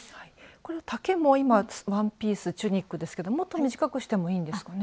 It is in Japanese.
これは丈も今ワンピースチュニックですけどもっと短くしてもいいんですかね？